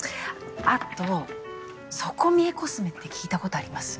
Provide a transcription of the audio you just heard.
あと底見えコスメって聞いたことあります？